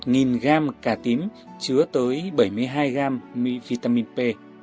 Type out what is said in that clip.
một gram cà tím chứa tới bảy mươi hai gram vitamin p